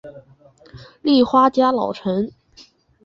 立花家老臣。